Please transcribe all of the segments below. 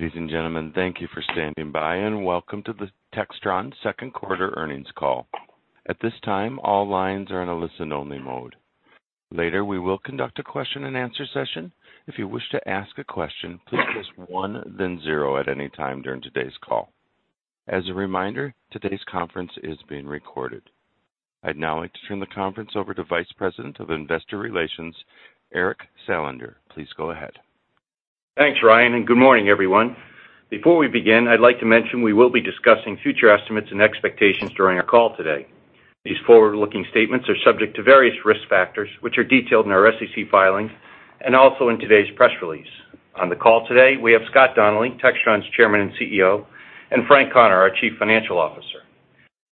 Ladies and gentlemen, thank you for standing by, and welcome to the Textron Second Quarter Earnings Call. At this time, all lines are in a listen-only mode. Later, we will conduct a question-and-answer session. If you wish to ask a question, please press one, then zero at any time during today's call. As a reminder, today's conference is being recorded. I'd now like to turn the conference over to Vice President of Investor Relations, Eric Salander. Please go ahead. Thanks, Ryan, and good morning, everyone. Before we begin, I'd like to mention we will be discussing future estimates and expectations during our call today. These forward-looking statements are subject to various risk factors, which are detailed in our SEC filings and also in today's press release. On the call today, we have Scott Donnelly, Textron's Chairman and CEO, and Frank Connor, our Chief Financial Officer.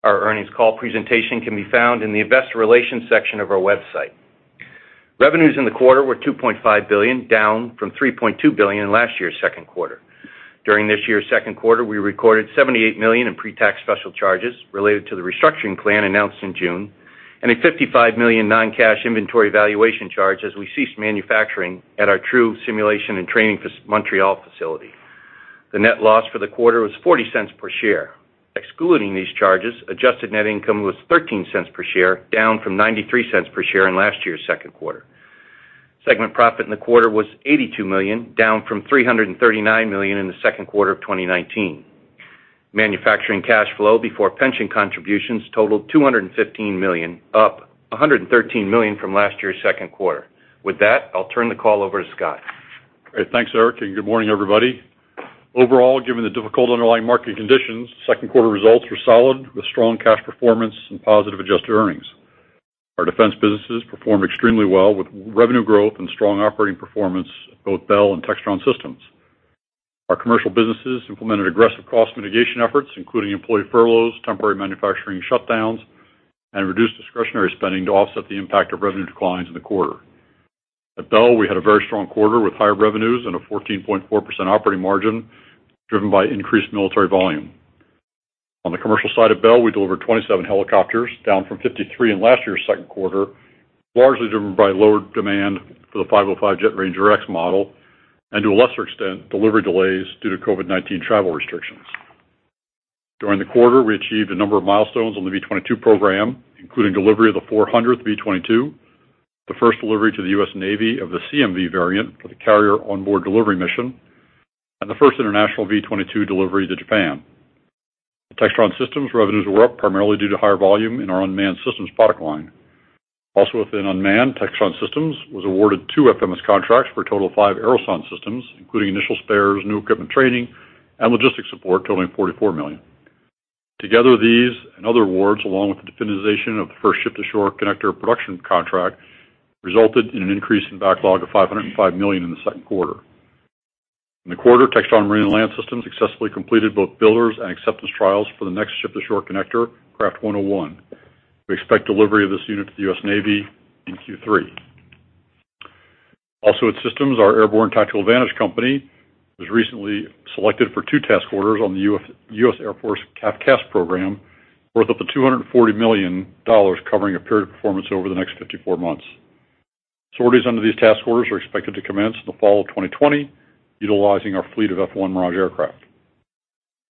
Our earnings call presentation can be found in the Investor Relations section of our website. Revenues in the quarter were $2.5 billion, down from $3.2 billion in last year's second quarter. During this year's second quarter, we recorded $78 million in pre-tax special charges related to the restructuring plan announced in June and a $55 million non-cash inventory valuation charge as we ceased manufacturing at our TRU Simulation + Training Montreal facility. The net loss for the quarter was $0.40 per share. Excluding these charges, adjusted net income was $0.13 per share, down from $0.93 per share in last year's second quarter. Segment profit in the quarter was $82 million, down from $339 million in the second quarter of 2019. Manufacturing cash flow before pension contributions totaled $215 million, up $113 million from last year's second quarter. With that, I'll turn the call over to Scott. All right. Thanks, Eric, and good morning, everybody. Overall, given the difficult underlying market conditions, second quarter results were solid with strong cash performance and positive adjusted earnings. Our defense businesses performed extremely well with revenue growth and strong operating performance of both Bell and Textron Systems. Our commercial businesses implemented aggressive cost mitigation efforts, including employee furloughs, temporary manufacturing shutdowns, and reduced discretionary spending to offset the impact of revenue declines in the quarter. At Bell, we had a very strong quarter with higher revenues and a 14.4% operating margin driven by increased military volume. On the commercial side at Bell, we delivered 27 helicopters, down from 53 in last year's second quarter, largely driven by lower demand for the 505 Jet Ranger X model and, to a lesser extent, delivery delays due to COVID-19 travel restrictions. During the quarter, we achieved a number of milestones on the V-22 program, including delivery of the 400th V-22, the first delivery to the U.S. Navy of the CMV variant for the carrier onboard delivery mission, and the first international V-22 delivery to Japan. Textron Systems' revenues were up primarily due to higher volume in our unmanned Systems product line. Also, within unmanned, Textron Systems was awarded two FMS contracts for a total of five Aerosonde Systems, including initial spares, new equipment training, and logistics support totaling $44 million. Together, these and other awards, along with the definition of the first Ship-to-Shore Connector production contract, resulted in an increase in backlog of $505 million in the second quarter. In the quarter, Textron Marine & Land Systems successfully completed both builders and acceptance trials for the next Ship-to-Shore Connector, Craft 101. We expect delivery of this unit to the U.S. Navy in Q3. Also, in Systems, our Airborne Tactical Advantage Company, was recently selected for two task orders on the U.S. Air Force CAF CAS program worth up to $240 million, covering a period of performance over the next 54 months. Sorties under these task orders are expected to commence in the fall of 2020, utilizing our fleet of F-1 Mirage aircraft.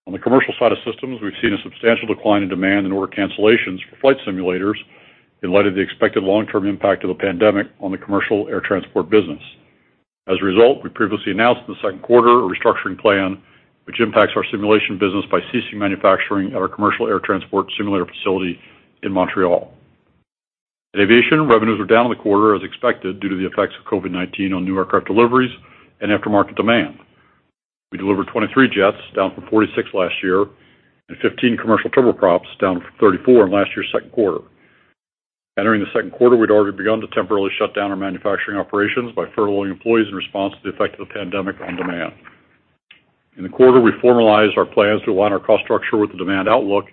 On the commercial side of Systems, we've seen a substantial decline in demand and order cancellations for flight simulators in light of the expected long-term impact of the pandemic on the commercial air transport business. As a result, we previously announced in the second quarter a restructuring plan which impacts our simulation business by ceasing manufacturing at our commercial air transport simulator facility in Montreal. In Aviation, revenues were down in the quarter as expected due to the effects of COVID-19 on new aircraft deliveries and aftermarket demand. We delivered 23 jets, down from 46 last year, and 15 commercial turboprops, down from 34 in last year's second quarter. Entering the second quarter, we'd already begun to temporarily shut down our manufacturing operations by furloughing employees in response to the effect of the pandemic on demand. In the quarter, we formalized our plans to align our cost structure with the demand outlook,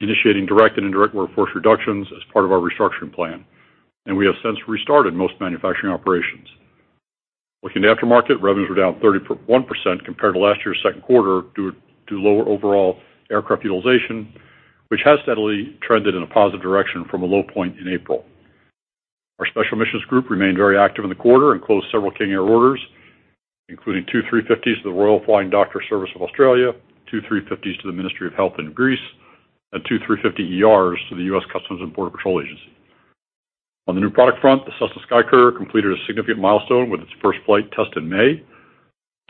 initiating direct and indirect workforce reductions as part of our restructuring plan, and we have since restarted most manufacturing operations. Looking at aftermarket, revenues were down 31% compared to last year's second quarter due to lower overall aircraft utilization, which has steadily trended in a positive direction from a low point in April. Our special missions group remained very active in the quarter and closed several King Air orders, including two 350s to the Royal Flying Doctor Service of Australia, two 350s to the Ministry of Health in Greece, and two 350ERs to the U.S. Customs and Border Protection. On the new product front, the Cessna SkyCourier completed a significant milestone with its first flight test in May.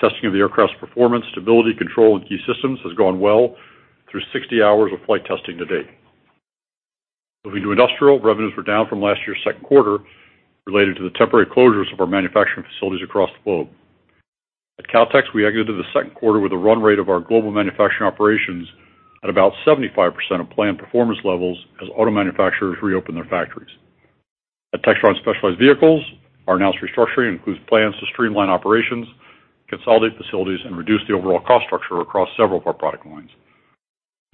Testing of the aircraft's performance, stability, control, and key Systems has gone well through 60 hours of flight testing to date. Moving to Industrial, revenues were down from last year's second quarter related to the temporary closures of our manufacturing facilities across the globe. At Kautex, we exited the second quarter with a run rate of our global manufacturing operations at about 75% of planned performance levels as auto manufacturers reopened their factories. At Textron Specialized Vehicles, our announced restructuring includes plans to streamline operations, consolidate facilities, and reduce the overall cost structure across several of our product lines.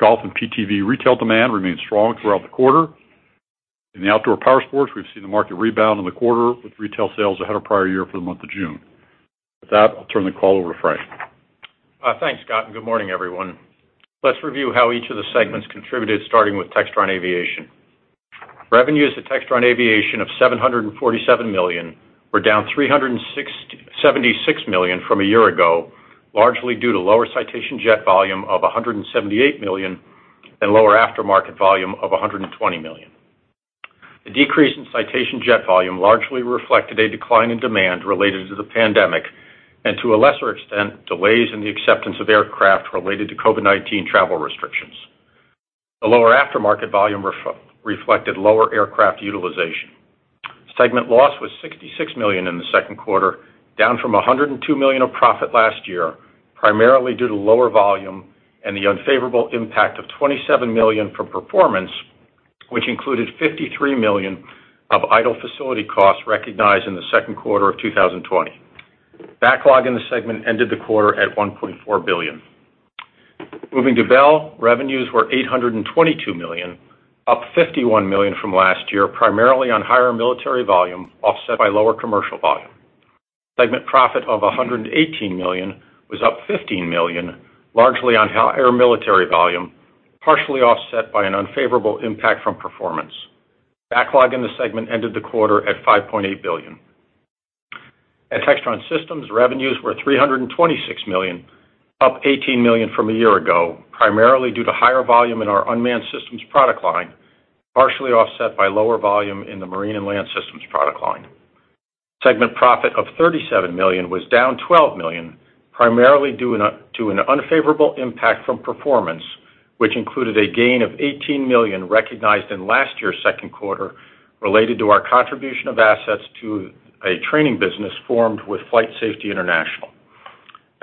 Golf and PTV retail demand remained strong throughout the quarter. In the outdoor powersports, we've seen the market rebound in the quarter with retail sales ahead of prior year for the month of June. With that, I'll turn the call over to Frank. Thanks, Scott, and good morning, everyone. Let's review how each of the segments contributed, starting with Textron Aviation. Revenues at Textron Aviation of $747 million were down $376 million from a year ago, largely due to lower Citation Jet volume of $178 million and lower aftermarket volume of $120 million. The decrease in Citation Jet volume largely reflected a decline in demand related to the pandemic and, to a lesser extent, delays in the acceptance of aircraft related to COVID-19 travel restrictions. The lower aftermarket volume reflected lower aircraft utilization. Segment loss was $66 million in the second quarter, down from $102 million of profit last year, primarily due to lower volume and the unfavorable impact of $27 million from performance, which included $53 million of idle facility costs recognized in the second quarter of 2020. Backlog in the segment ended the quarter at $1.4 billion. Moving to Bell, revenues were $822 million, up $51 million from last year, primarily on higher military volume offset by lower commercial volume. Segment profit of $118 million was up $15 million, largely on higher military volume, partially offset by an unfavorable impact from performance. Backlog in the segment ended the quarter at $5.8 billion. At Textron Systems, revenues were $326 million, up $18 million from a year ago, primarily due to higher volume in our unmanned Systems product line, partially offset by lower volume in the Marine and Land Systems product line. Segment profit of $37 million was down $12 million, primarily due to an unfavorable impact from performance, which included a gain of $18 million recognized in last year's second quarter related to our contribution of assets to a training business formed with FlightSafety International.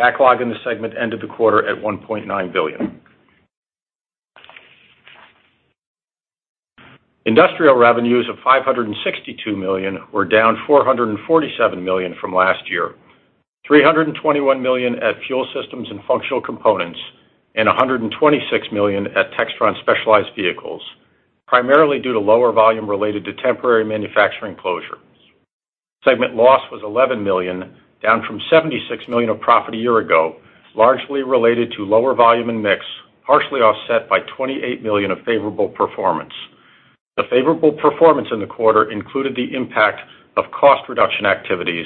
Backlog in the segment ended the quarter at $1.9 billion. Industrial revenues of $562 million were down $447 million from last year, $321 million at fuel Systems and functional components, and $126 million at Textron Specialized Vehicles, primarily due to lower volume related to temporary manufacturing closures. Segment loss was $11 million, down from $76 million of profit a year ago, largely related to lower volume and mix, partially offset by $28 million of favorable performance. The favorable performance in the quarter included the impact of cost reduction activities,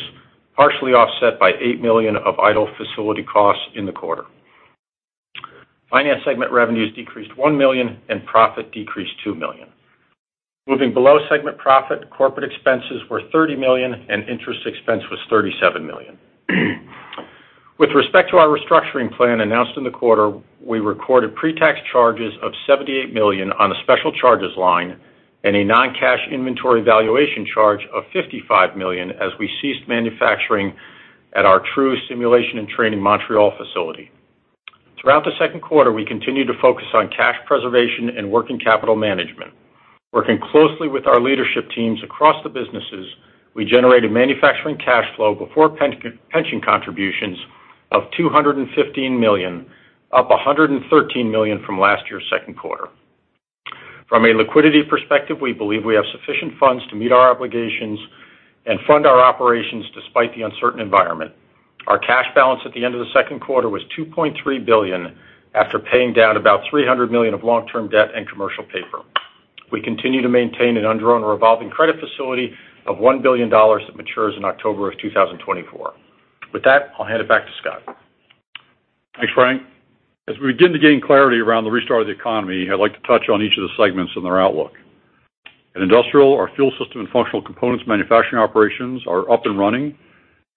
partially offset by $8 million of idle facility costs in the quarter. Finance segment revenues decreased $1 million and profit decreased $2 million. Moving below segment profit, corporate expenses were $30 million and interest expense was $37 million. With respect to our restructuring plan announced in the quarter, we recorded pre-tax charges of $78 million on a special charges line and a non-cash inventory valuation charge of $55 million as we ceased manufacturing at our TRU Simulation + Training Montreal facility. Throughout the second quarter, we continued to focus on cash preservation and working capital management. Working closely with our leadership teams across the businesses, we generated manufacturing cash flow before pension contributions of $215 million, up $113 million from last year's second quarter. From a liquidity perspective, we believe we have sufficient funds to meet our obligations and fund our operations despite the uncertain environment. Our cash balance at the end of the second quarter was $2.3 billion after paying down about $300 million of long-term debt and commercial paper. We continue to maintain an undrawn revolving credit facility of $1 billion that matures in October of 2024. With that, I'll hand it back to Scott. Thanks, Frank. As we begin to gain clarity around the restart of the economy, I'd like to touch on each of the segments and their outlook. At Industrial, our fuel system and functional components manufacturing operations are up and running,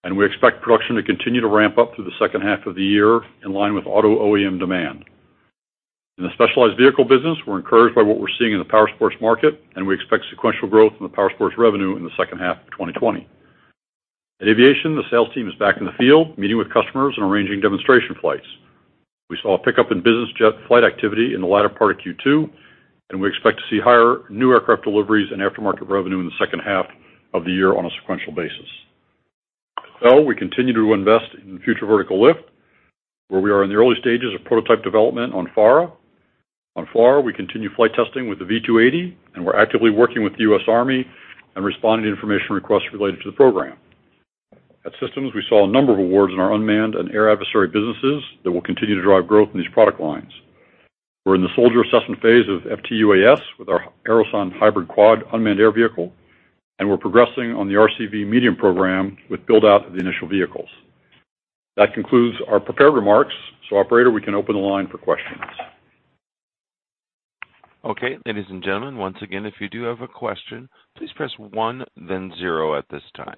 and we expect production to continue to ramp up through the second half of the year in line with auto OEM demand. In the Specialized Vehicle business, we're encouraged by what we're seeing in the powersports market, and we expect sequential growth in the powersports revenue in the second half of 2020. At Aviation, the sales team is back in the field, meeting with customers and arranging demonstration flights. We saw a pickup in business jet flight activity in the latter part of Q2, and we expect to see higher new aircraft deliveries and aftermarket revenue in the second half of the year on a sequential basis. At Bell, we continue to invest in Future Vertical Lift, where we are in the early stages of prototype development on FARA. On FLRAA, we continue flight testing with the V-280, and we're actively working with the U.S. Army and responding to information requests related to the program. At Systems, we saw a number of awards in our unmanned and air adversary businesses that will continue to drive growth in these product lines. We're in the soldier assessment phase of FTUAS with our Aerosonde Hybrid Quad unmanned air vehicle, and we're progressing on the RCV-Medium program with build-out of the initial vehicles. That concludes our prepared remarks. So, Operator, we can open the line for questions. Okay, ladies and gentlemen, once again, if you do have a question, please press one, then zero at this time.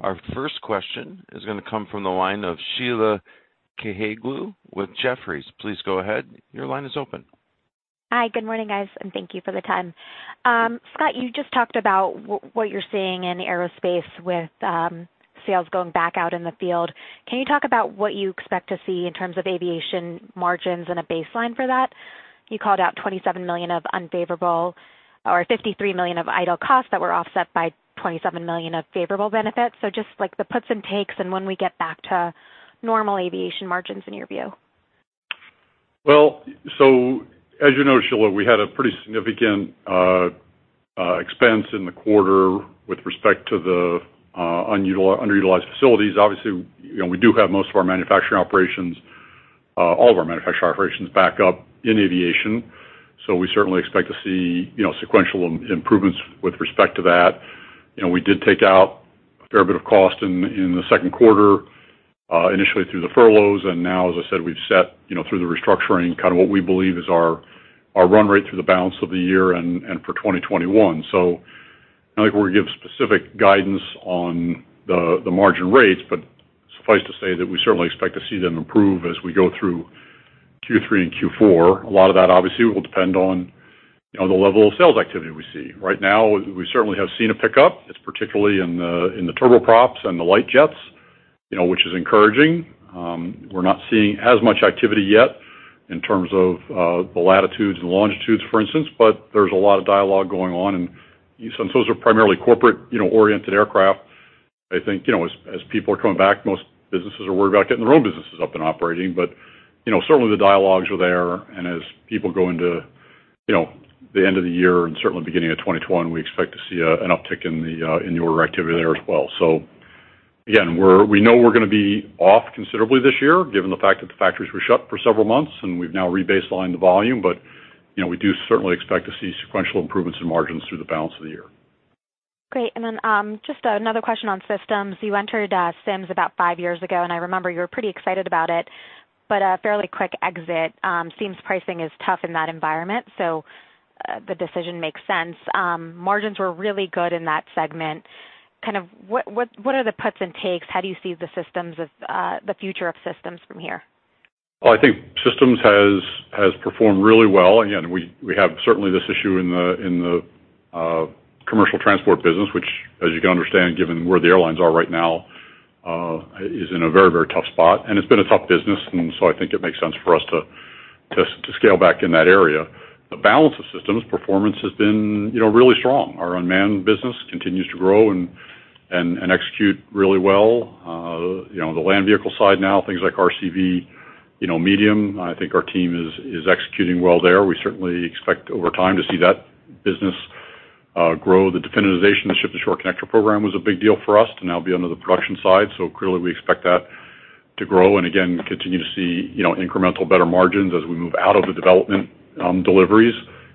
Our first question is going to come from the line of Sheila Kahyaoglu with Jefferies. Please go ahead. Your line is open. Hi, good morning, guys, and thank you for the time. Scott, you just talked about what you're seeing in aerospace with sales going back out in the field. Can you talk about what you expect to see in terms of aviation margins and a baseline for that? You called out $27 million of unfavorable or $53 million of idle costs that were offset by $27 million of favorable benefits. So just the puts and takes and when we get back to normal aviation margins in your view. So as you know, Sheila, we had a pretty significant expense in the quarter with respect to the underutilized facilities. Obviously, we do have most of our manufacturing operations, all of our manufacturing operations, back up in aviation, so we certainly expect to see sequential improvements with respect to that. We did take out a fair bit of cost in the second quarter, initially through the furloughs, and now, as I said, we've set, through the restructuring, kind of what we believe is our run rate through the balance of the year and for 2021. So I don't think we're going to give specific guidance on the margin rates, but suffice to say that we certainly expect to see them improve as we go through Q3 and Q4. A lot of that, obviously, will depend on the level of sales activity we see. Right now, we certainly have seen a pickup. It's particularly in the turboprops and the light jets, which is encouraging. We're not seeing as much activity yet in terms of the Latitudes and Longitudes, for instance, but there's a lot of dialogue going on, and since those are primarily corporate-oriented aircraft, I think as people are coming back, most businesses are worried about getting their own businesses up and operating, but certainly, the dialogues are there, and as people go into the end of the year and certainly beginning of 2021, we expect to see an uptick in the order activity there as well, so again, we know we're going to be off considerably this year, given the fact that the factories were shut for several months, and we've now rebaselined the volume, but we do certainly expect to see sequential improvements in margins through the balance of the year. Great. And then just another question on Systems. You entered sims about five years ago, and I remember you were pretty excited about it, but a fairly quick exit. sims pricing is tough in that environment, so the decision makes sense. Margins were really good in that segment. Kind of what are the puts and takes. How do you see the future of Systems from here? Well, I think Systems has performed really well. Again, we have certainly this issue in the commercial transport business, which, as you can understand, given where the airlines are right now, is in a very, very tough spot. And it's been a tough business, and so I think it makes sense for us to scale back in that area. The balance of Systems performance has been really strong. Our unmanned business continues to grow and execute really well. The land vehicle side now, things like RCV-Medium, I think our team is executing well there. We certainly expect over time to see that business grow. The definitization of the Ship-to-Shore Connector program was a big deal for us to now be under the production side, so clearly we expect that to grow and, again, continue to see incremental better margins as we move out of the development deliveries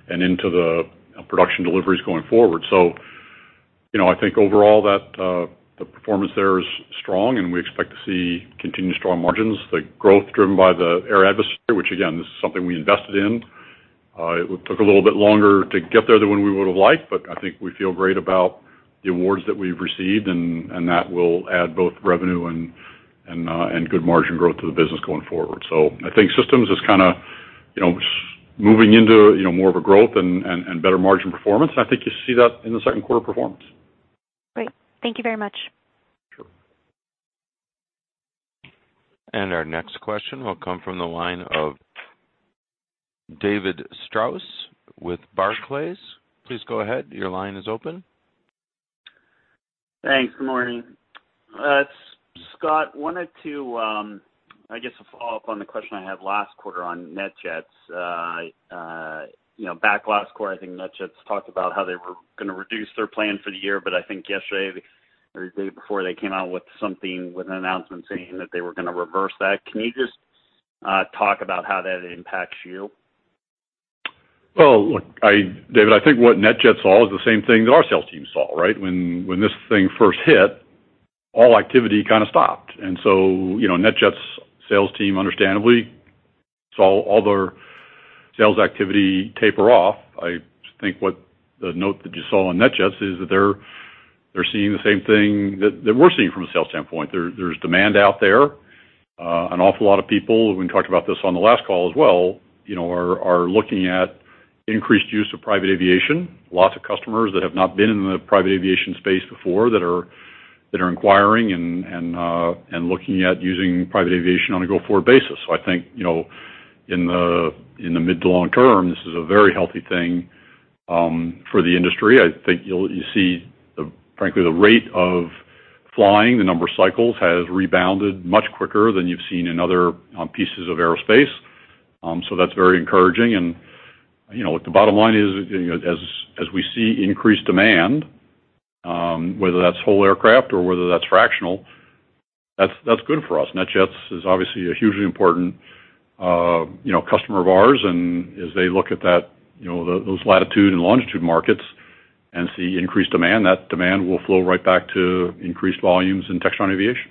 and into the production deliveries going forward. So I think overall that the performance there is strong, and we expect to see continued strong margins. The growth driven by the air adversary, which, again, this is something we invested in, it took a little bit longer to get there than we would have liked, but I think we feel great about the awards that we've received, and that will add both revenue and good margin growth to the business going forward. So I think Systems is kind of moving into more of a growth and better margin performance, and I think you see that in the second quarter performance. Great. Thank you very much. Sure. Our next question will come from the line of David Strauss with Barclays. Please go ahead. Your line is open. Thanks. Good morning. Scott, wanted to, I guess, follow up on the question I had last quarter on NetJets. Back last quarter, I think NetJets talked about how they were going to reduce their plan for the year, but I think yesterday or the day before they came out with something with an announcement saying that they were going to reverse that. Can you just talk about how that impacts you? Well, David, I think what NetJets saw is the same thing that our sales teams saw, right? When this thing first hit, all activity kind of stopped, and so NetJets' sales team, understandably, saw all their sales activity taper off. I think what the note that you saw on NetJets is that they're seeing the same thing that we're seeing from a sales standpoint. There's demand out there. An awful lot of people, we talked about this on the last call as well, are looking at increased use of Private Aviation. Lots of customers that have not been in the Private Aviation space before that are inquiring and looking at using Private Aviation on a go-forward basis, so I think in the mid to long term, this is a very healthy thing for the industry. I think you'll see, frankly, the rate of flying, the number of cycles has rebounded much quicker than you've seen in other pieces of aerospace, so that's very encouraging, and the bottom line is, as we see increased demand, whether that's whole aircraft or whether that's fractional, that's good for us. NetJets is obviously a hugely important customer of ours, and as they look at those Latitude and Longitude markets and see increased demand, that demand will flow right back to increased volumes in Textron Aviation.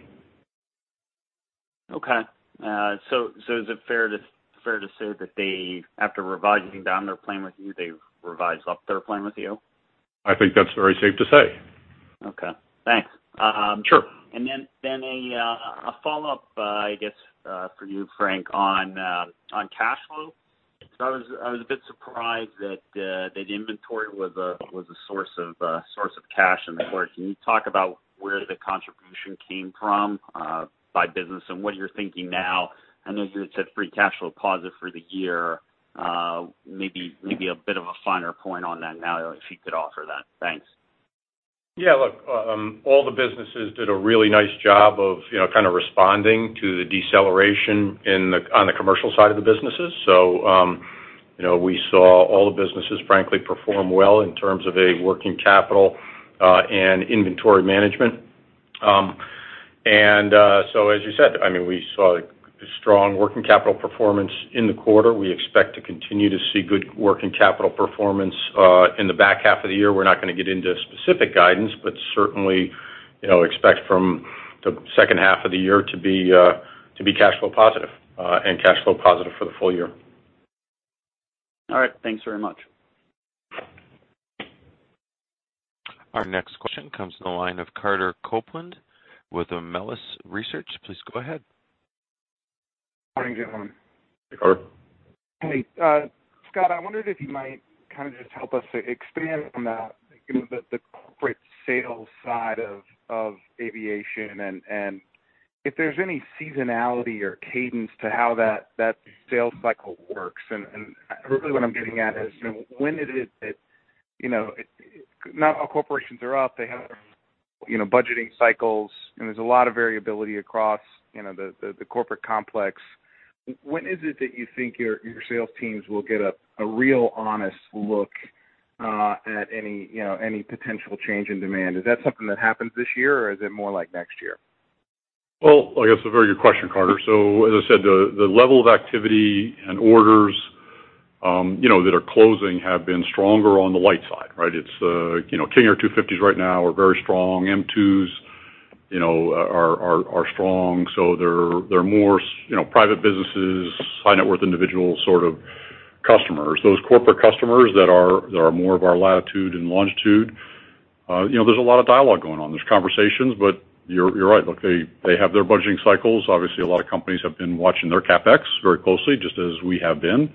Okay, so is it fair to say that after revising down their plan with you, they've revised up their plan with you? I think that's very safe to say. Okay. Thanks. Sure. And then a follow-up, I guess, for you, Frank, on cash flow. So I was a bit surprised that inventory was a source of cash in the quarter. Can you talk about where the contribution came from by business and what you're thinking now? I know you had said free cash flow positive for the year. Maybe a bit of a finer point on that now, if you could offer that. Thanks. Yeah. Look, all the businesses did a really nice job of kind of responding to the deceleration on the commercial side of the businesses. So we saw all the businesses, frankly, perform well in terms of a working capital and inventory management. And so, as you said, I mean, we saw strong working capital performance in the quarter. We expect to continue to see good working capital performance in the back half of the year. We're not going to get into specific guidance, but certainly expect from the second half of the year to be cash flow positive and cash flow positive for the full year. All right. Thanks very much. Our next question comes from the line of Carter Copeland with Melius Research. Please go ahead. Good morning, gentlemen. Hey, Carter. Hey, Scott. I wondered if you might kind of just help us expand on that, the corporate sales side of Aviation, and if there's any seasonality or cadence to how that sales cycle works? And really what I'm getting at is, when is it that not all corporations are up? They have their budgeting cycles, and there's a lot of variability across the corporate complex. When is it that you think your sales teams will get a real, honest look at any potential change in demand? Is that something that happens this year, or is it more like next year? I guess it's a very good question, Carter. So, as I said, the level of activity and orders that are closing have been stronger on the light side, right? It's King Air 250s right now are very strong. M2s are strong. So they're more private businesses, high-net-worth individuals, sort of customers. Those corporate customers that are more of our Latitude and Longitude, there's a lot of dialogue going on. There's conversations, but you're right. Look, they have their budgeting cycles. Obviously, a lot of companies have been watching their CapEx very closely, just as we have been.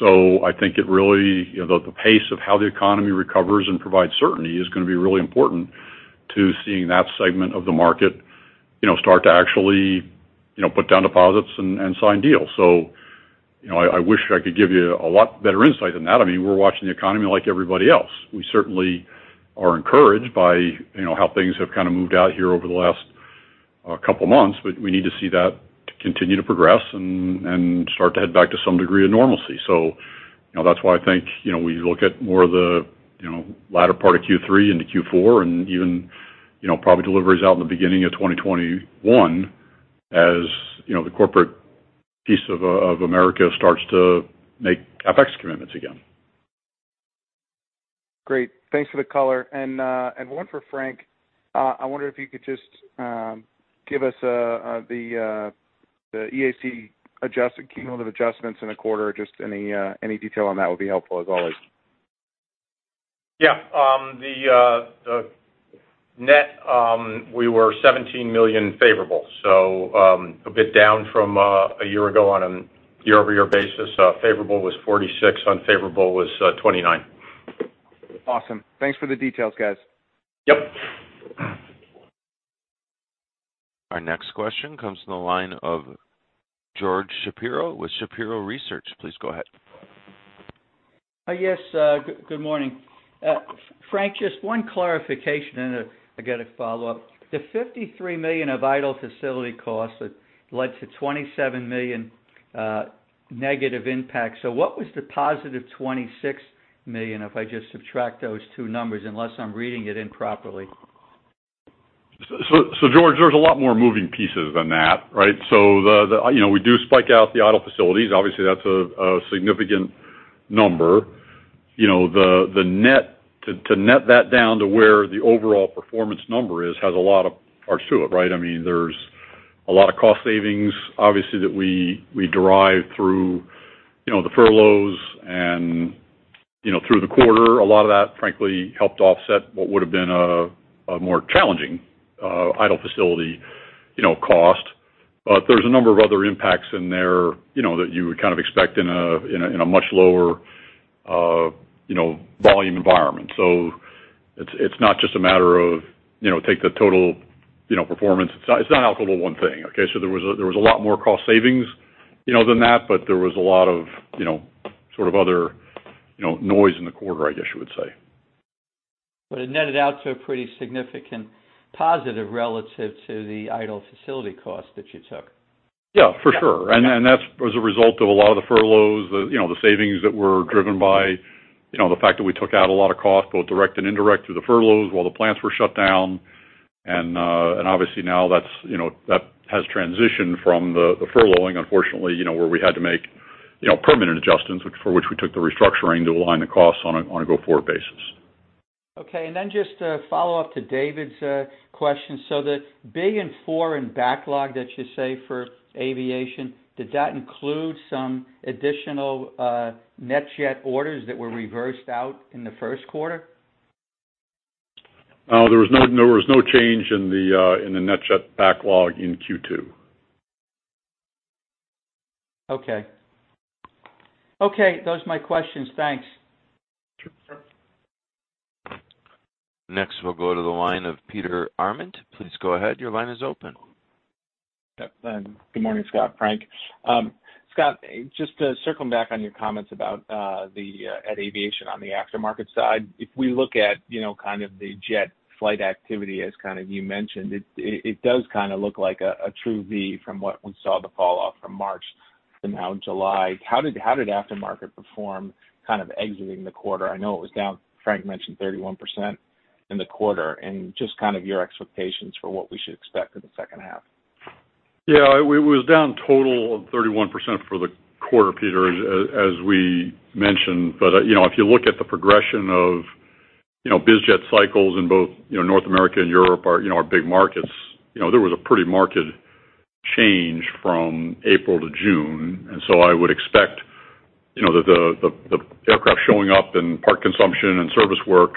So I think it really the pace of how the economy recovers and provides certainty is going to be really important to seeing that segment of the market start to actually put down deposits and sign deals. So I wish I could give you a lot better insight than that. I mean, we're watching the economy like everybody else. We certainly are encouraged by how things have kind of moved out here over the last couple of months, but we need to see that continue to progress and start to head back to some degree of normalcy, so that's why I think we look at more of the latter part of Q3 into Q4 and even probably deliveries out in the beginning of 2021 as the corporate piece of America starts to make CapEx commitments again. Great. Thanks for the color and one for Frank. I wonder if you could just give us the EAC adjustment, cumulative adjustments in the quarter. Just any detail on that would be helpful, as always. Yeah. The net, we were $17 million favorable. So a bit down from a year ago on a year-over-year basis. Favorable was $46 million. Unfavorable was $29 million. Awesome. Thanks for the details, guys. Yep. Our next question comes from the line of George Shapiro with Shapiro Research. Please go ahead. Yes. Good morning. Frank, just one clarification, and I got to follow up. The $53 million of idle facility costs led to $27 million negative impact. So what was the positive $26 million if I just subtract those two numbers, unless I'm reading it improperly? So George, there's a lot more moving pieces than that, right? So we do spike out the idle facilities. Obviously, that's a significant number. To net that down to where the overall performance number is has a lot of parts to it, right? I mean, there's a lot of cost savings, obviously, that we derive through the furloughs and through the quarter. A lot of that, frankly, helped offset what would have been a more challenging idle facility cost. But there's a number of other impacts in there that you would kind of expect in a much lower volume environment. So it's not just a matter of take the total performance. It's not all total one thing, okay? So there was a lot more cost savings than that, but there was a lot of sort of other noise in the quarter, I guess you would say. But it netted out to a pretty significant positive relative to the idle facility costs that you took. Yeah, for sure. And that was a result of a lot of the furloughs, the savings that were driven by the fact that we took out a lot of costs, both direct and indirect, through the furloughs while the plants were shut down. And obviously, now that has transitioned from the furloughing, unfortunately, where we had to make permanent adjustments, for which we took the restructuring to align the costs on a go-forward basis. Okay. And then just a follow-up to David's question. So the big and foreign backlog that you say for aviation, did that include some additional NetJets orders that were reversed out in the first quarter? There was no change in the NetJets backlog in Q2. Okay. Okay. Those are my questions. Thanks. Next, we'll go to the line of Peter Arment. Please go ahead. Your line is open. Good morning, Scott, Frank. Scott, just circling back on your comments about the aviation on the aftermarket side. If we look at kind of the jet flight activity, as kind of you mentioned, it does kind of look like a true V from what we saw, the falloff from March to now July. How did aftermarket perform kind of exiting the quarter? I know it was down, Frank mentioned, 31% in the quarter. And just kind of your expectations for what we should expect in the second half. Yeah. It was down total of 31% for the quarter, Peter, as we mentioned. But if you look at the progression of bizjet cycles in both North America and Europe, our big markets, there was a pretty marked change from April to June. And so I would expect that the aircraft showing up and part consumption and service work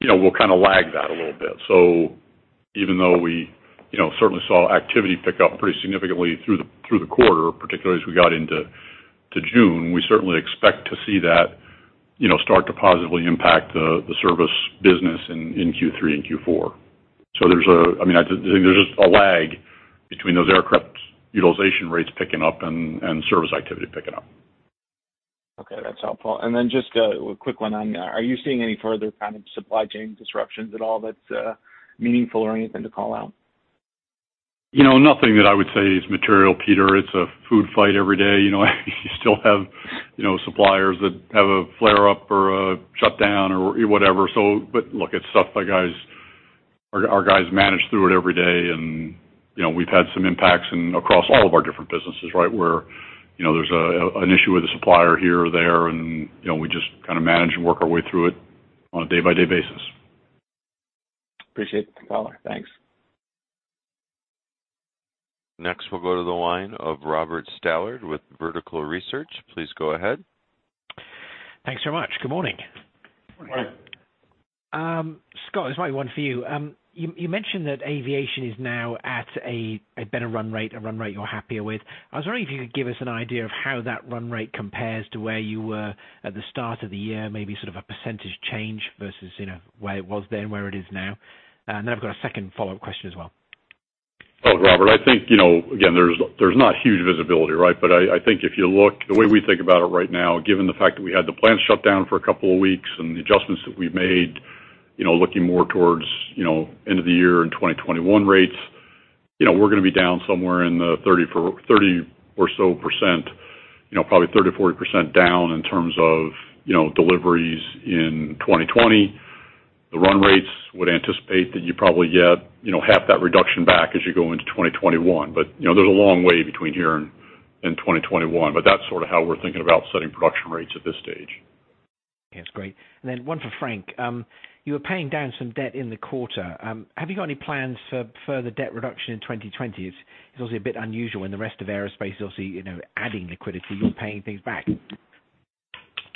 will kind of lag that a little bit. So even though we certainly saw activity pick up pretty significantly through the quarter, particularly as we got into June, we certainly expect to see that start to positively impact the service business in Q3 and Q4. So I mean, there's just a lag between those aircraft utilization rates picking up and service activity picking up. Okay. That's helpful. And then just a quick one on that. Are you seeing any further kind of supply chain disruptions at all that's meaningful or anything to call out? Nothing that I would say is material, Peter. It's a food fight every day. You still have suppliers that have a flare-up or a shutdown or whatever, but look, it's stuff our guys manage through it every day, and we've had some impacts across all of our different businesses, right, where there's an issue with a supplier here or there, and we just kind of manage and work our way through it on a day-by-day basis. Appreciate the color. Thanks. Next, we'll go to the line of Robert Stallard with Vertical Research. Please go ahead. Thanks very much. Good morning. Morning. Scott, this might be one for you. You mentioned that Aviation is now at a better run rate, a run rate you're happier with. I was wondering if you could give us an idea of how that run rate compares to where you were at the start of the year, maybe sort of a percentage change versus where it was then and where it is now. And then I've got a second follow-up question as well. Oh, Robert, I think, again, there's not huge visibility, right? But I think if you look, the way we think about it right now, given the fact that we had the plant shut down for a couple of weeks and the adjustments that we've made, looking more towards end of the year and 2021 rates, we're going to be down somewhere in the 30% or so, probably 30%-40% down in terms of deliveries in 2020. The run rates would anticipate that you probably get half that reduction back as you go into 2021. But there's a long way between here and 2021. But that's sort of how we're thinking about setting production rates at this stage. Okay. That's great. And then one for Frank. You were paying down some debt in the quarter. Have you got any plans for further debt reduction in 2020? It's obviously a bit unusual in the rest of aerospace, obviously, adding liquidity. You're paying things back.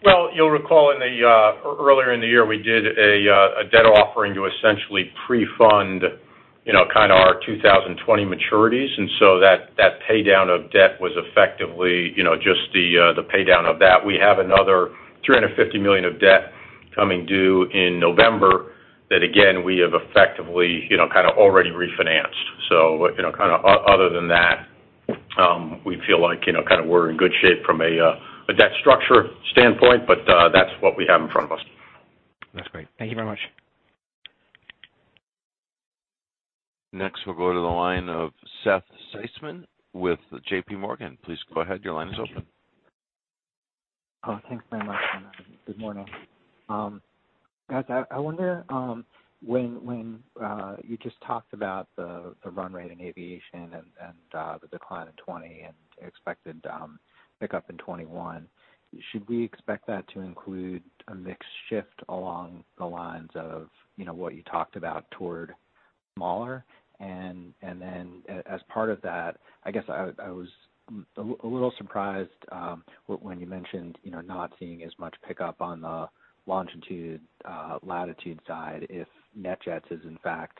You'll recall earlier in the year, we did a debt offering to essentially prefund kind of our 2020 maturities. That paydown of debt was effectively just the paydown of that. We have another $350 million of debt coming due in November that, again, we have effectively kind of already refinanced. Kind of other than that, we feel like kind of we're in good shape from a debt structure standpoint, but that's what we have in front of us. That's great. Thank you very much. Next, we'll go to the line of Seth Seifman with J.P. Morgan. Please go ahead. Your line is open. Thanks very much. Good morning. Guys, I wonder, when you just talked about the run rate in Aviation and the decline in 2020 and expected pickup in 2021, should we expect that to include a mixed shift along the lines of what you talked about toward smaller? And then as part of that, I guess I was a little surprised when you mentioned not seeing as much pickup on the Longitude, Latitude side if NetJets is, in fact,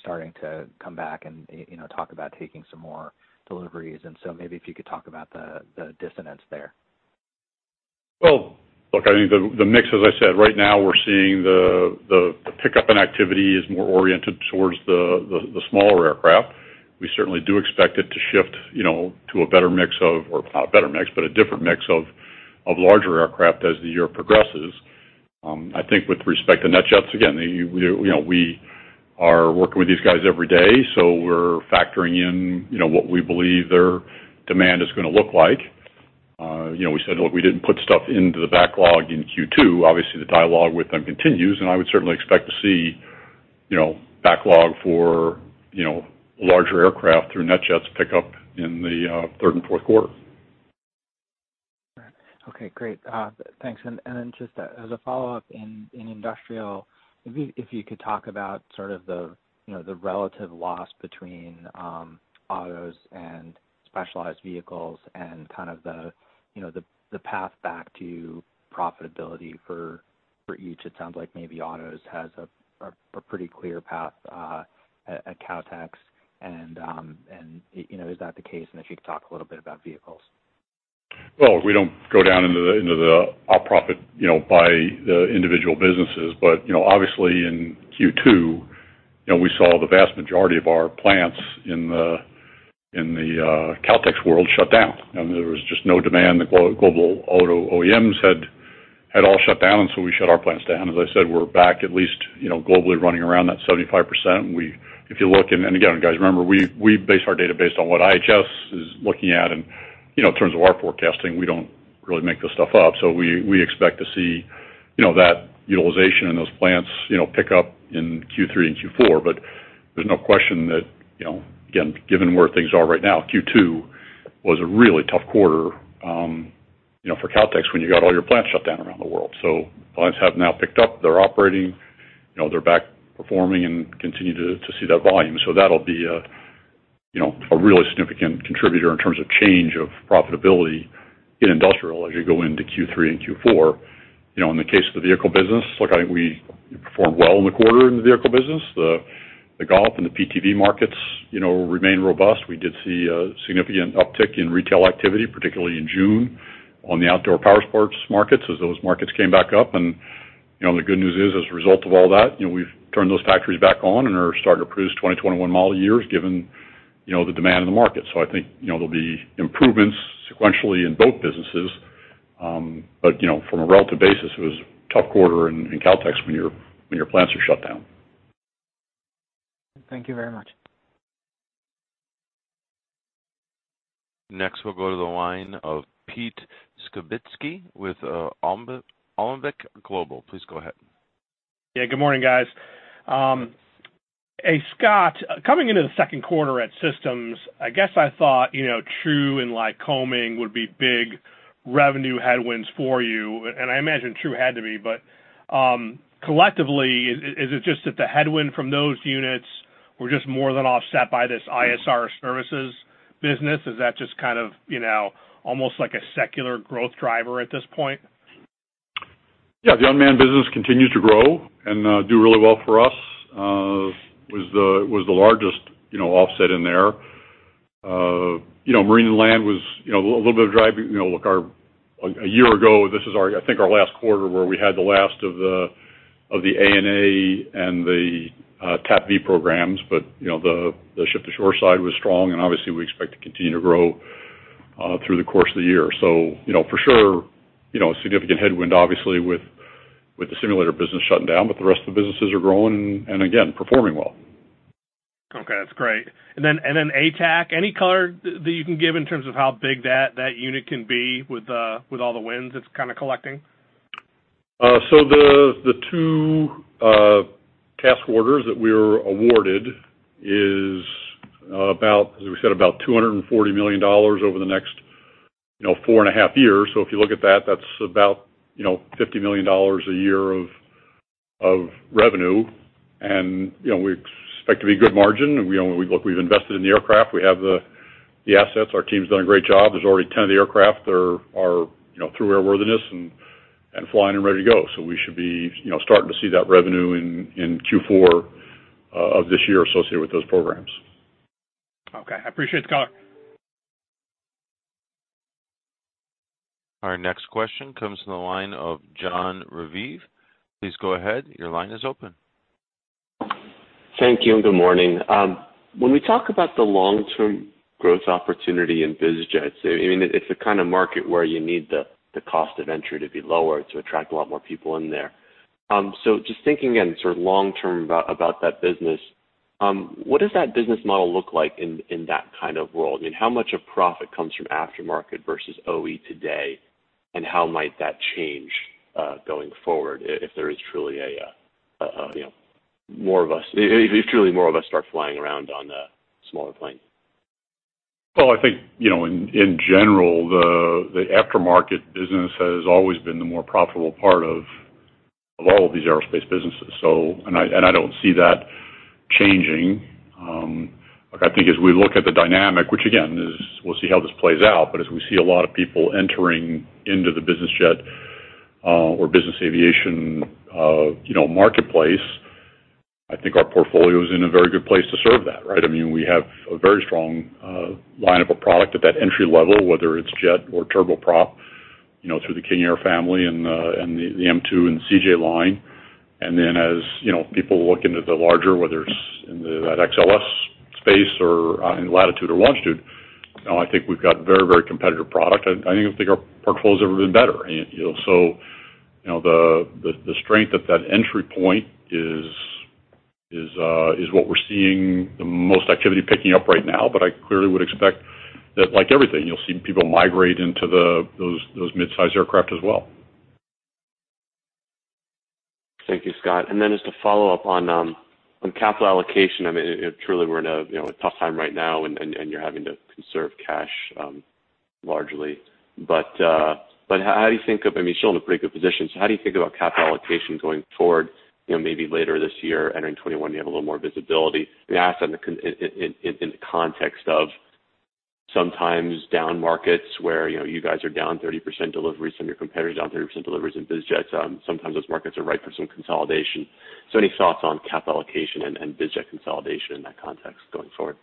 starting to come back and talk about taking some more deliveries. And so maybe if you could talk about the dissonance there. Well, look, I think the mix, as I said, right now, we're seeing the pickup in activity is more oriented towards the smaller aircraft. We certainly do expect it to shift to a better mix of, or not a better mix, but a different mix of larger aircraft as the year progresses. I think with respect to NetJets, again, we are working with these guys every day. So we're factoring in what we believe their demand is going to look like. We said, "Look, we didn't put stuff into the backlog in Q2." Obviously, the dialogue with them continues, and I would certainly expect to see backlog for larger aircraft through NetJets' pickup in the third and fourth quarter. Okay. Great. Thanks. And then just as a follow-up in Industrial, if you could talk about sort of the relative loss between autos and specialized vehicles and kind of the path back to profitability for each. It sounds like maybe autos has a pretty clear path at Kautex. And is that the case? And if you could talk a little bit about vehicles. Well, we don't go down into the profit by the individual businesses. But obviously, in Q2, we saw the vast majority of our plants in the Kautex world shut down. And there was just no demand. The global auto OEMs had all shut down. And so we shut our plants down. As I said, we're back at least globally running around that 75%. If you look and again, guys, remember, we base our data based on what IHS is looking at. And in terms of our forecasting, we don't really make this stuff up. So we expect to see that utilization in those plants pick up in Q3 and Q4. But there's no question that, again, given where things are right now, Q2 was a really tough quarter for Kautex when you got all your plants shut down around the world. So plants have now picked up. They're operating. They're back performing and continue to see that volume. So that'll be a really significant contributor in terms of change of profitability in Industrial as you go into Q3 and Q4. In the case of the vehicle business, look, I think we performed well in the quarter in the vehicle business. The golf and the PTV markets remain robust. We did see a significant uptick in retail activity, particularly in June on the outdoor powersports markets as those markets came back up. And the good news is, as a result of all that, we've turned those factories back on and are starting to produce $20 million-$21 million a year given the demand in the market. So I think there'll be improvements sequentially in both businesses. But from a relative basis, it was a tough quarter in Kautex when your plants are shut down. Thank you very much. Next, we'll go to the line of Pete Skibitski with Alembic Global. Please go ahead. Yeah. Good morning, guys. Hey, Scott, coming into the second quarter at Systems, I guess I thought TRU and Lycoming would be big revenue headwinds for you. And I imagine TRU had to be. But collectively, is it just that the headwind from those units were just more than offset by this ISR services business? Is that just kind of almost like a secular growth driver at this point? Yeah. The unmanned business continues to grow and do really well for us. It was the largest offset in there. Marine and Land was a little bit of driving. Look, a year ago, this is, I think, our last quarter where we had the last of the ANA and the TAPV programs. But the Ship-to-Shore side was strong. And obviously, we expect to continue to grow through the course of the year. So for sure, a significant headwind, obviously, with the simulator business shutting down. But the rest of the businesses are growing and, again, performing well. Okay. That's great. And then ATAC, any color that you can give in terms of how big that unit can be with all the wins it's kind of collecting? So the two task orders that we were awarded is, as we said, about $240 million over the next four and a half years. So if you look at that, that's about $50 million a year of revenue. And we expect to be a good margin. Look, we've invested in the aircraft. We have the assets. Our team's done a great job. There's already 10 of the aircraft that are through airworthiness and flying and ready to go. So we should be starting to see that revenue in Q4 of this year associated with those programs. Okay. I appreciate the color. Our next question comes from the line of Jon Raviv. Please go ahead. Your line is open. Thank you. And good morning. When we talk about the long-term growth opportunity in bizjets, I mean, it's the kind of market where you need the cost of entry to be lower to attract a lot more people in there. So just thinking again sort of long-term about that business, what does that business model look like in that kind of world? I mean, how much of profit comes from aftermarket versus OE today? And how might that change going forward if there is truly more of us, if truly more of us start flying around on the smaller planes? I think in general, the aftermarket business has always been the more profitable part of all of these aerospace businesses, and I don't see that changing. Look, I think as we look at the dynamic, which again, we'll see how this plays out, but as we see a lot of people entering into the business jet or business aviation marketplace, I think our portfolio is in a very good place to serve that, right? I mean, we have a very strong line of a product at that entry level, whether it's jet or turboprop through the King Air family and the M2 and the CJ line, and then as people look into the larger, whether it's in that XLS space or in Latitude or Longitude, I think we've got very, very competitive product. I think our portfolio's never been better. So the strength at that entry point is what we're seeing the most activity picking up right now. But I clearly would expect that, like everything, you'll see people migrate into those midsize aircraft as well. Thank you, Scott. And then just to follow up on capital allocation, I mean, truly, we're in a tough time right now, and you're having to conserve cash largely. But how do you think of I mean, you're still in a pretty good position. So how do you think about capital allocation going forward, maybe later this year, entering 2021, you have a little more visibility? I mean, I ask that in the context of sometimes down markets where you guys are down 30% deliveries and your competitors are down 30% deliveries in bizjets. Sometimes those markets are ripe for some consolidation. So any thoughts on capital allocation and bizjet consolidation in that context going forward?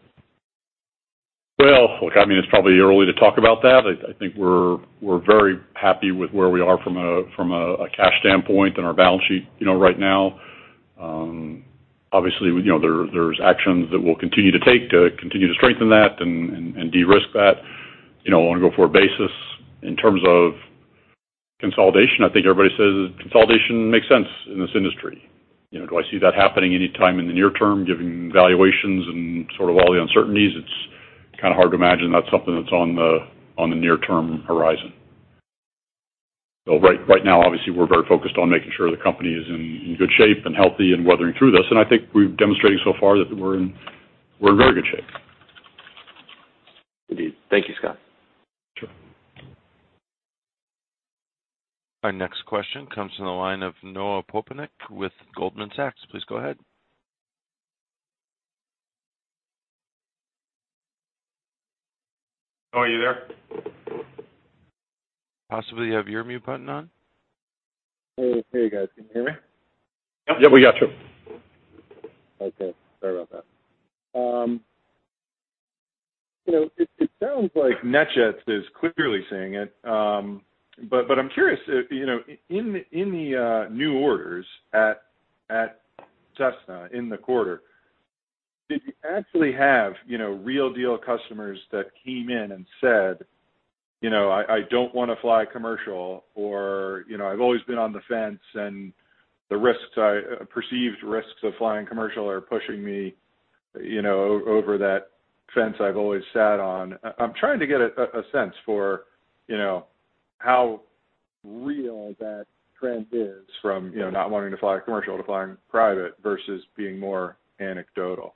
Look, I mean, it's probably early to talk about that. I think we're very happy with where we are from a cash standpoint and our balance sheet right now. Obviously, there's actions that we'll continue to take to continue to strengthen that and de-risk that on a go forward basis. In terms of consolidation, I think everybody says consolidation makes sense in this industry. Do I see that happening anytime in the near term, given valuations and sort of all the uncertainties? It's kind of hard to imagine that's something that's on the near-term horizon. Right now, obviously, we're very focused on making sure the company is in good shape and healthy and weathering through this. I think we've demonstrated so far that we're in very good shape. Indeed. Thank you, Scott. Sure. Our next question comes from the line of Noah Poponak with Goldman Sachs. Please go ahead. Noah, are you there? Possibly have your mute button on. Hey, hey, guys. Can you hear me? Yeah, we got you. Okay. Sorry about that. It sounds like NetJets is clearly saying it. But I'm curious, in the new orders at Cessna in the quarter, did you actually have real deal customers that came in and said, "I don't want to fly commercial," or, "I've always been on the fence, and the perceived risks of flying commercial are pushing me over that fence I've always sat on"? I'm trying to get a sense for how real that trend is from not wanting to fly commercial to flying private versus being more anecdotal.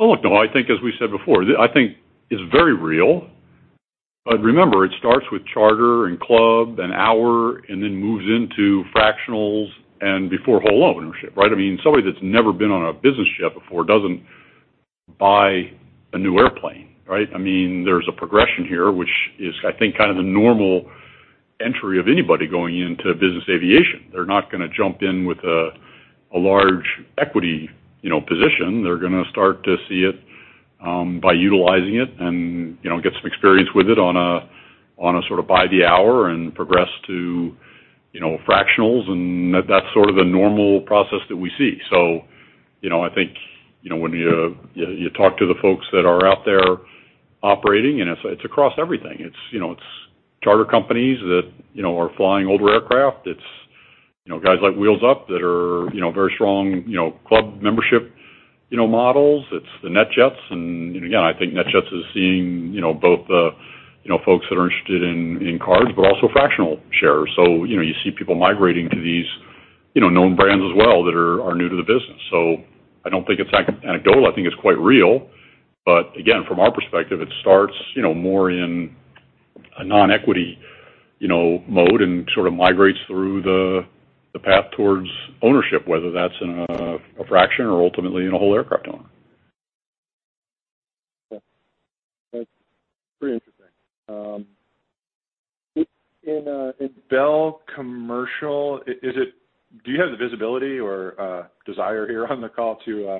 I think, as we said before, I think it's very real. But remember, it starts with charter and club and hour and then moves into fractionals and before whole ownership, right? I mean, somebody that's never been on a business jet before doesn't buy a new airplane, right? I mean, there's a progression here, which is, I think, kind of the normal entry of anybody going into business aviation. They're not going to jump in with a large equity position. They're going to start to see it by utilizing it and get some experience with it on a sort of by the hour and progress to fractionals, and that's sort of the normal process that we see, so I think when you talk to the folks that are out there operating, and it's across everything, it's charter companies that are flying older aircraft. It's guys like Wheels Up that are very strong club membership models. It's the NetJets. And again, I think NetJets is seeing both the folks that are interested in cards, but also fractional shares. So you see people migrating to these known brands as well that are new to the business. So I don't think it's anecdotal. I think it's quite real. But again, from our perspective, it starts more in a non-equity mode and sort of migrates through the path towards ownership, whether that's in a fraction or ultimately in a whole aircraft owner. Yeah. That's pretty interesting. In Bell Commercial, do you have the visibility or desire here on the call to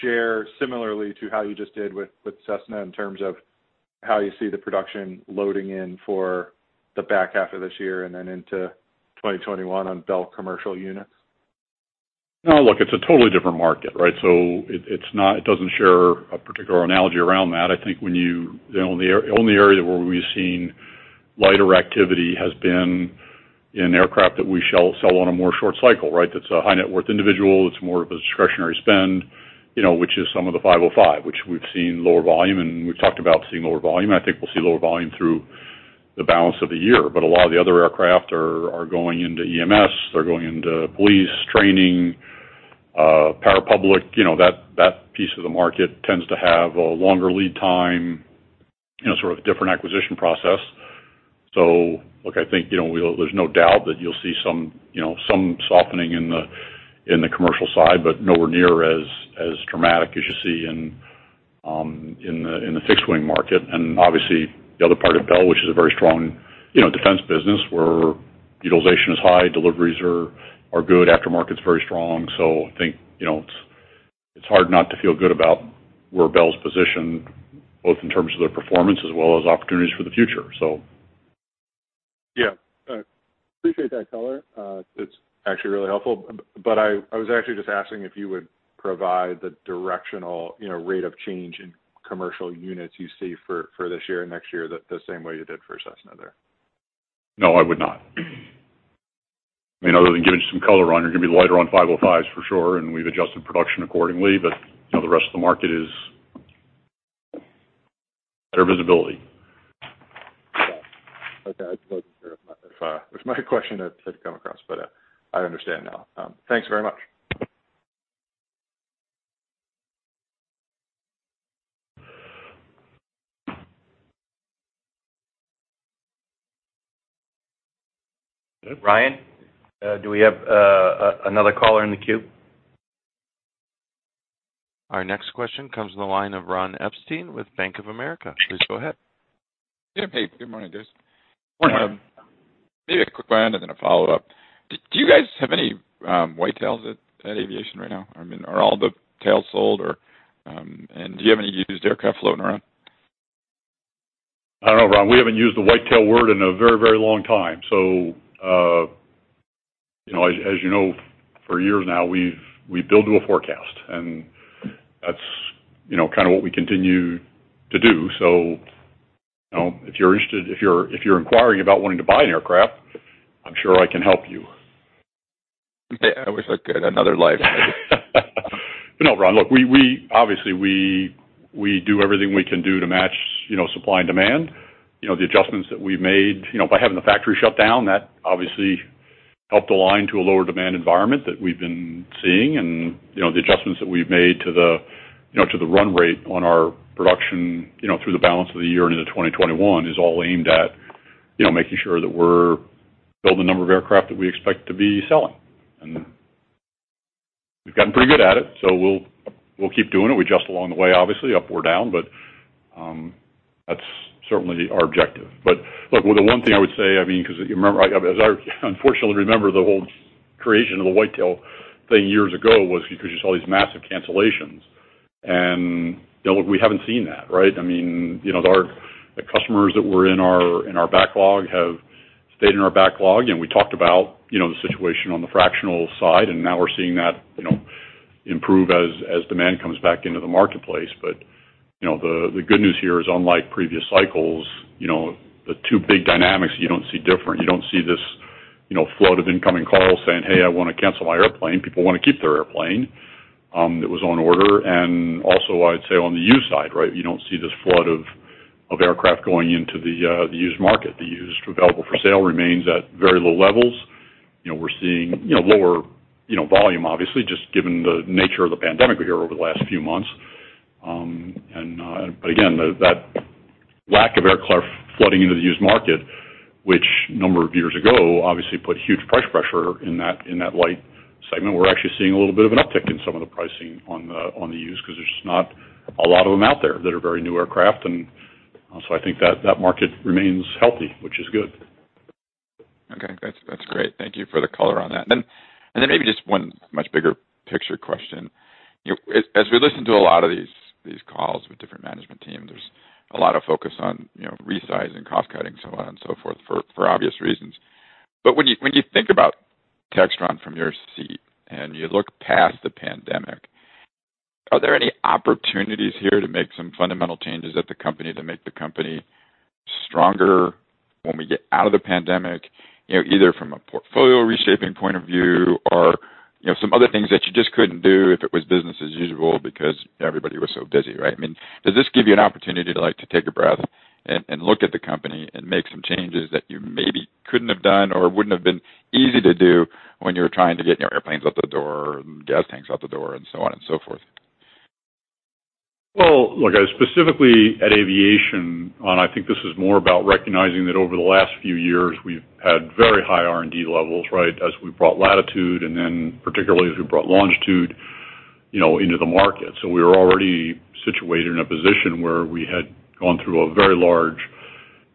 share similarly to how you just did with Cessna in terms of how you see the production loading in for the back half of this year and then into 2021 on Bell Commercial units? No, look, it's a totally different market, right? So it doesn't share a particular analogy around that. I think the only area where we've seen lighter activity has been in aircraft that we sell on a more short cycle, right? That's a high-net-worth individual. It's more of a discretionary spend, which is some of the 505, which we've seen lower volume. And we've talked about seeing lower volume. I think we'll see lower volume through the balance of the year. But a lot of the other aircraft are going into EMS. They're going into police training, parapublic. That piece of the market tends to have a longer lead time, sort of different acquisition process. So look, I think there's no doubt that you'll see some softening in the commercial side, but nowhere near as dramatic as you see in the fixed-wing market. And obviously, the other part of Bell, which is a very strong defense business where utilization is high, deliveries are good, aftermarket's very strong. So I think it's hard not to feel good about where Bell's positioned, both in terms of their performance as well as opportunities for the future, so. Yeah. Appreciate that color. It's actually really helpful. But I was actually just asking if you would provide the directional rate of change in commercial units you see for this year and next year the same way you did for Cessna there. No, I would not. I mean, other than giving some color on, you're going to be lighter on 505s for sure. And we've adjusted production accordingly. But the rest of the market is better visibility. Yeah. Okay. I wasn't sure if my question had come across, but I understand now. Thanks very much. Ryan? Do we have another caller in the queue? Our next question comes from the line of Ron Epstein with Bank of America. Please go ahead. Yeah. Hey. Good morning, guys. Morning. Maybe a quick line and then a follow-up. Do you guys have any white tails at Aviation right now? I mean, are all the Tails sold, and do you have any used aircraft floating around? I don't know, Ron. We haven't used the white tails word in a very, very long time. So as you know, for years now, we build to a forecast. And that's kind of what we continue to do. So if you're inquiring about wanting to buy an aircraft, I'm sure I can help you. I wish I could. Another life. No, Ron. Look, obviously, we do everything we can do to match supply and demand. The adjustments that we've made by having the factory shut down, that obviously helped align to a lower demand environment that we've been seeing. And the adjustments that we've made to the run rate on our production through the balance of the year and into 2021 is all aimed at making sure that we're building the number of aircraft that we expect to be selling. And we've gotten pretty good at it. So we'll keep doing it. We adjust along the way, obviously, up or down. But that's certainly our objective. But look, the one thing I would say, I mean, because as I unfortunately remember the whole creation of the white tails thing years ago was because you saw these massive cancellations. And look, we haven't seen that, right? I mean, the customers that were in our backlog have stayed in our backlog. And we talked about the situation on the fractional side. And now we're seeing that improve as demand comes back into the marketplace. But the good news here is, unlike previous cycles, the two big dynamics you don't see different. You don't see this flood of incoming calls saying, "Hey, I want to cancel my airplane." People want to keep their airplane that was on order. And also, I'd say on the used side, right, you don't see this flood of aircraft going into the used market. The used available for sale remains at very low levels. We're seeing lower volume, obviously, just given the nature of the pandemic we hear over the last few months. But again, that lack of aircraft flooding into the used market, which a number of years ago obviously put huge price pressure in that light segment, we're actually seeing a little bit of an uptick in some of the pricing on the used because there's just not a lot of them out there that are very new aircraft. And so I think that market remains healthy, which is good. Okay. That's great. Thank you for the color on that. And then maybe just one much bigger picture question. As we listen to a lot of these calls with different management teams, there's a lot of focus on resizing, cost cutting, so on and so forth for obvious reasons. But when you think about Textron from your seat and you look past the pandemic, are there any opportunities here to make some fundamental changes at the company to make the company stronger when we get out of the pandemic, either from a portfolio reshaping point of view or some other things that you just couldn't do if it was business as usual because everybody was so busy, right? I mean, does this give you an opportunity to take a breath and look at the company and make some changes that you maybe couldn't have done or wouldn't have been easy to do when you were trying to get your airplanes out the door and gas tanks out the door and so on and so forth? Well, look, specifically at Aviation, I think this is more about recognizing that over the last few years, we've had very high R&D levels, right, as we brought Latitude and then particularly as we brought Longitude into the market. So we were already situated in a position where we had gone through a very large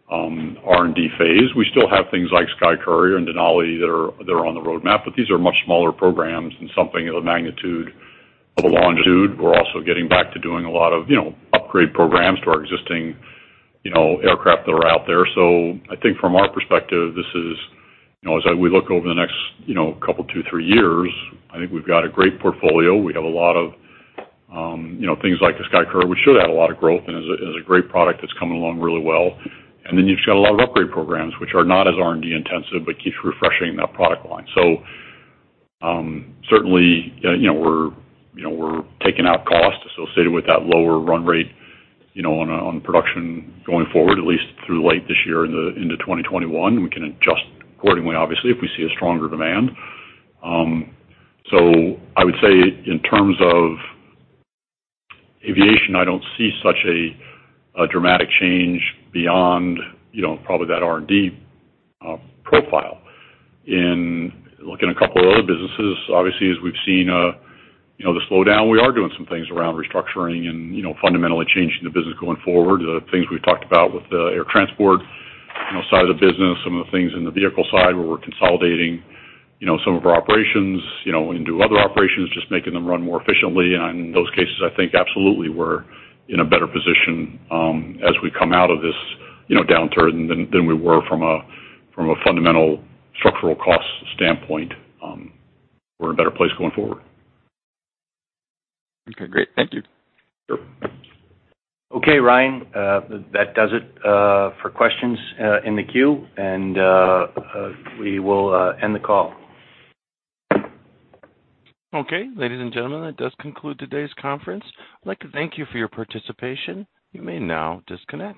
R&D phase. We still have things like SkyCourier and Denali that are on the roadmap. But these are much smaller programs and something of the magnitude of a Longitude. We're also getting back to doing a lot of upgrade programs to our existing aircraft that are out there. So I think from our perspective, as we look over the next couple, two, three years, I think we've got a great portfolio. We have a lot of things like the SkyCourier. We should have a lot of growth and is a great product that's coming along really well. And then you've got a lot of upgrade programs, which are not as R&D intensive but keeps refreshing that product line. So certainly, we're taking out cost associated with that lower run rate on production going forward, at least through late this year into 2021. We can adjust accordingly, obviously, if we see a stronger demand. So I would say in terms of aviation, I don't see such a dramatic change beyond probably that R&D profile. In looking at a couple of other businesses, obviously, as we've seen the slowdown, we are doing some things around restructuring and fundamentally changing the business going forward. The things we've talked about with the air transport side of the business, some of the things in the vehicle side where we're consolidating some of our operations into other operations, just making them run more efficiently, and in those cases, I think absolutely we're in a better position as we come out of this downturn than we were from a fundamental structural cost standpoint. We're in a better place going forward. Okay. Great. Thank you. Sure. Okay, Ryan. That does it for questions in the queue. And we will end the call. Okay. Ladies and gentlemen, that does conclude today's conference. I'd like to thank you for your participation. You may now disconnect.